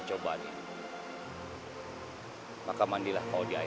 jika kita membantu agama allah